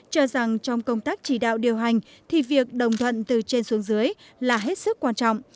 cho rằng trong công tác chỉ đạo điều hành thì việc đồng thuận từ trên xuống dưới là hết sức quan trọng